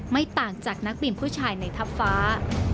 ไม่ต่างจากนักบินผู้ชายในทัพฟ้า